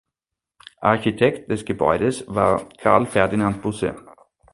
Architekt des Gebäudes war Carl Ferdinand Busse.